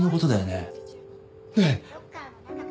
ねえ？